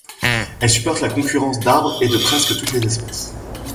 Elle supporte la concurrence d'arbres et de presque toutes les espèces.